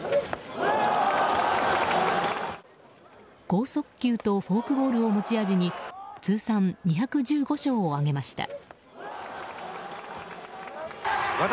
剛速球とフォークボールを持ち味に通算２１５勝を挙げました。